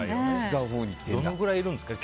どのくらいいるんですかね。